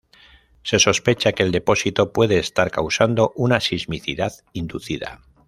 Se sospecha que el depósito puede estar causando una sismicidad inducida.